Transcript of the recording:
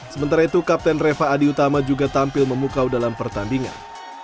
sementara itu kapten reva adi utama juga tampil memukau dalam pertandingan